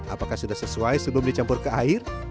apakah sudah sesuai sebelum dicampur ke air